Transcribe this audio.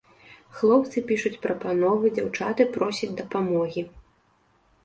Хлопцы пішуць прапановы, дзяўчаты просяць дапамогі.